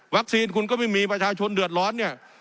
คุณก็ไม่มีประชาชนเดือดร้อนเนี่ย